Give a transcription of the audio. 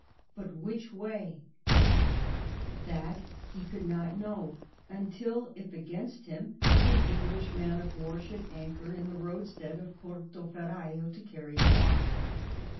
But which way ? That he could not know until, if ag ainst him, an Enfjlish man of war should anchor in the roadstead of Porto Ferrajo to carry him off.